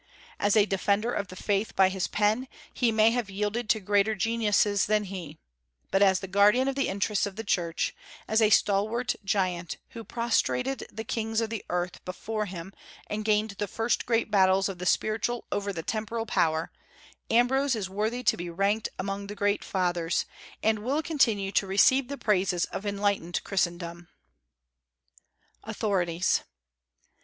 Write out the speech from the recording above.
As a defender of the faith by his pen, he may have yielded to greater geniuses than he; but as the guardian of the interests of the Church, as a stalwart giant, who prostrated the kings of the earth before him and gained the first great battles of the spiritual over the temporal power, Ambrose is worthy to be ranked among the great Fathers, and will continue to receive the praises of enlightened Christendom. AUTHORITIES.